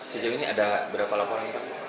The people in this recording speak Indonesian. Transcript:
sejauh ini ada berapa laporan pak